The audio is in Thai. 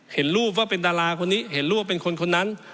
เห็นรูปว่าเป็นดาราคนนี้เห็นรูปเป็นคนคนนั้น